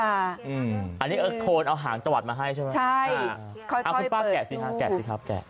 อืมอันนี้โทนเอาหางตวรรษมาให้ใช่ไม่ค่อยเปิดลูก